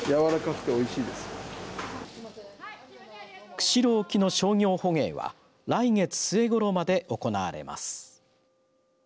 釧路沖の商業捕鯨は来月末ごろまで行われます。